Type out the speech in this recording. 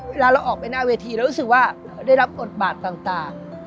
เวลาเราออกไปหน้าเวทีเรารู้สึกว่าได้รับบทบาทต่าง